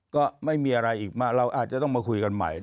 ก็ไม่มีอะไรอีกมาเราอาจจะต้องมาคุยกันใหม่